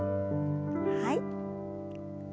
はい。